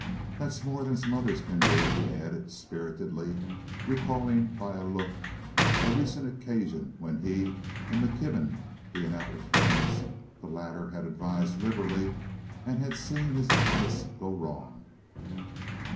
That's more than some others can do," he added, spiritedly, recalling by a look a recent occasion when he and McKibben, being out with friends, the latter had advised liberally and had seen his advice go wrong.